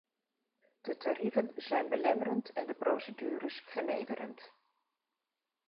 De tarieven zijn belemmerend en de procedures vernederend.